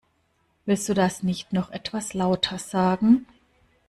Willst du das nicht noch etwas lauter sagen?